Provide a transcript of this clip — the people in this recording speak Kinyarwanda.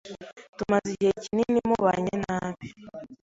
Tumaze igihe kinini mubanye nabi.